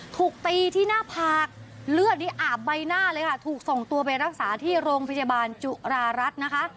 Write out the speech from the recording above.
ถูกตีที่หน้าผากเลือดนี้อาบใบหน้าเลยค่ะถูกส่งตัวไปรักษาที่โรงพยาบาลจุรารัฐนะคะ